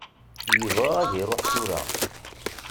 Yebɣa ad iruḥ tura.